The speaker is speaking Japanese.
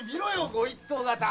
ご一行方！